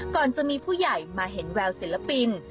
ก่อนจะมีผู้ใหญ่มาเห็นแววศิลปิน